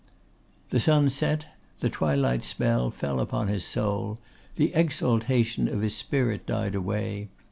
The sun set; the twilight spell fell upon his soul; the exaltation of his spirit died away.